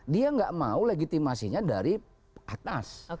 dia nggak mau legitimasinya dari atas